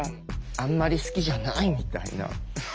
「あんまり好きじゃない」みたいな。